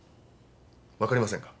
分かりませんか？